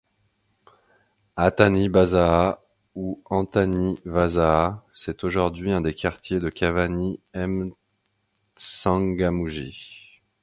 Antanibazaha ou Antani vazaha : C'est aujourd'hui un des quartiers de Cavani - M'Tsangamouji.